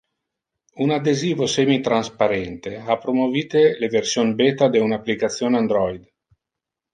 Un adhesivo semitransparente ha promovite le version beta de un application Android.